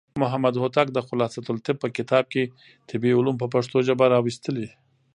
محمد هوتک د خلاصة الطب په کتاب کې طبي علوم په پښتو ژبه راوستلي.